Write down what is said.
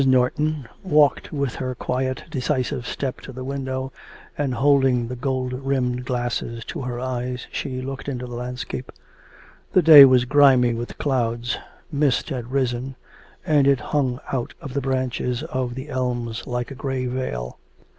Norton walked with her quiet, decisive step to the window, and holding the gold rimmed glasses to her eyes, she looked into the landscape. The day was grimy with clouds; mist had risen, and it hung out of the branches of the elms like a grey veil.